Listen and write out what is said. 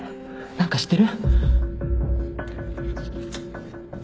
何か知ってる？